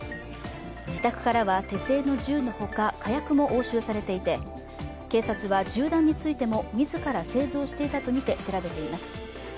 自宅からは手製の銃のほか、火薬も押収されていて、警察は銃弾についても自ら製造していたとみて調べています。